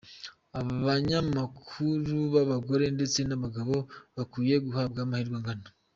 Abanyamakuru b’abagore ndetse n’abagabo bakwiye guhabwa amahirwe angana.